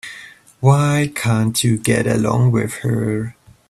Why can't you get along with her?